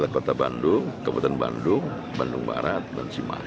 kota bandung kabupaten bandung bandung barat dan cimahi